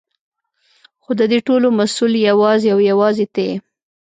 خو ددې ټولو مسؤل يې يوازې او يوازې ته يې.